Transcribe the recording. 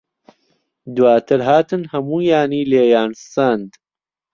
دواتر هاتن هەموویانی لێیان سەند.